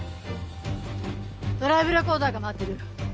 ドライブレコーダーが回ってる。